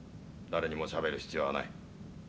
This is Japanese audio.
誰にもしゃべる必要はない。